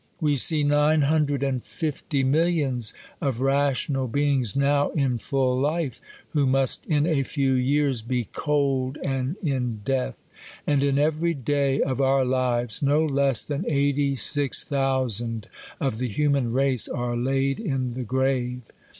W^e see nine hundred and fifty millions of ra tional beings, now in full life, who must, in a few years, be cold and in death ; and in every day of our lives, no less than eighty six thousand of the human race, are laid in the grave.